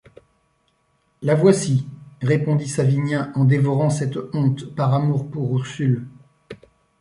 La voici, répondit Savinien en dévorant cette honte par amour pour Ursule.